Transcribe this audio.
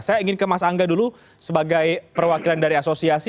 saya ingin ke mas angga dulu sebagai perwakilan dari asosiasi